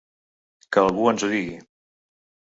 Que algú ens ho digui.